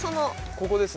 ここですね？